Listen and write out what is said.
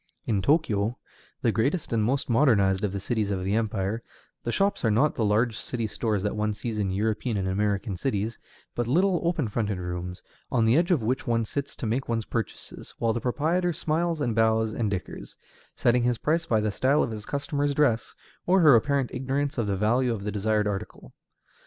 In Tōkyō, the greatest and most modernized of the cities of the empire, the shops are not the large city stores that one sees in European and American cities, but little open fronted rooms, on the edge of which one sits to make one's purchases, while the proprietor smiles and bows and dickers; setting his price by the style of his customer's dress, or her apparent ignorance of the value of the desired article.